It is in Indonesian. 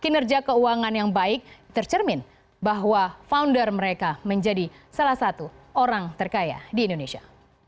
kinerja keuangan yang baik tercermin bahwa founder mereka menjadi salah satu orang terkaya di indonesia